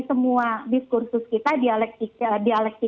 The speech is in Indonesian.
semua diskursus kita dialeksi